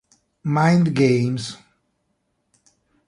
Mind Games